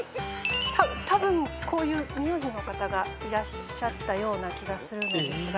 たぶんこういう名字の方がいらっしゃったような気がするのですが。